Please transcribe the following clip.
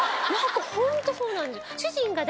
ホントそうなんです。